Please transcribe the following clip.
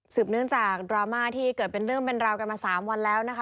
เนื่องจากดราม่าที่เกิดเป็นเรื่องเป็นราวกันมา๓วันแล้วนะคะ